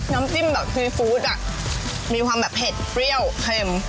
น้ำจิ้มแบบซีฟู้ดอ่ะมีความแบบเผ็ดเปรี้ยวเค็ม